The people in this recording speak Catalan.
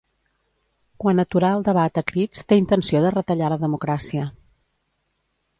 Quan aturar el debat a crits té intenció de retallar la democràcia.